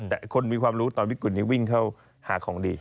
แต่คนมีความรู้ตอนวิกุลนี้วิ่งเข้าหาของดี